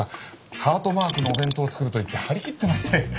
ハートマークのお弁当を作ると言って張り切ってまして。